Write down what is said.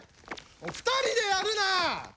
２人でやるな！